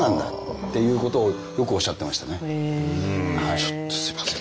ちょっとすいません。